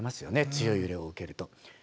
強い揺れを受けると。